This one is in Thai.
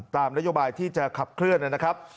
ตามนโยบายที่จะขับเคลื่อนนะครับ